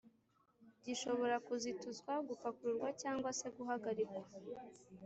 gishobora kuzituzwa gupakururwa cg se guhagarikwa